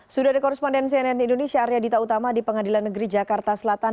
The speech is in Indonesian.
sudah dikorespondensi nn indonesia arya dita utama di pengadilan negeri jakarta selatan